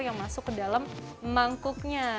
yang masuk ke dalam mangkuknya